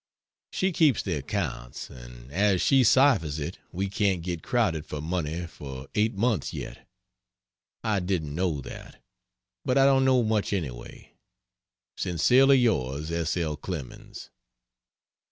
She keeps the accounts; and as she ciphers it we can't get crowded for money for eight months yet. I didn't know that. But I don't know much anyway. Sincerely yours, S. L. CLEMENS.